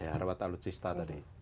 harwat alutsista tadi